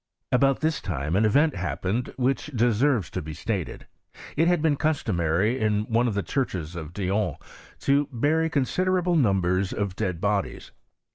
About this time an event happened which deserves to be stated. It had been customary in one of the churches of Dijon to bury considerable numbers of ^^ dead bodies.